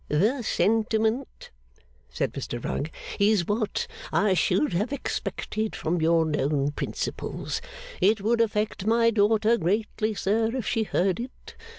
'The sentiment,' said Mr Rugg, 'is what I should have expected from your known principles. It would affect my daughter greatly, sir, if she heard it.